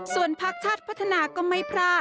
ส่วนพักชาติพัฒนาก็ไม่พลาด